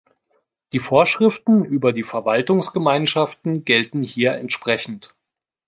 Die Vorschriften über die Verwaltungsgemeinschaften gelten hier entsprechend.